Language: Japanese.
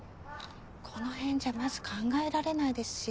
この辺じゃまず考えられないですし。